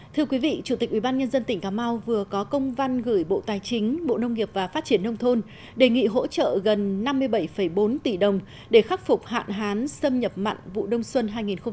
thưa quý vị chủ tịch ubnd tỉnh cà mau vừa có công văn gửi bộ tài chính bộ nông nghiệp và phát triển nông thôn đề nghị hỗ trợ gần năm mươi bảy bốn tỷ đồng để khắc phục hạn hán xâm nhập mặn vụ đông xuân hai nghìn một mươi chín hai nghìn hai mươi